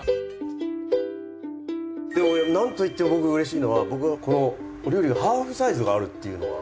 なんといっても僕うれしいのはこのお料理がハーフサイズがあるっていうのが。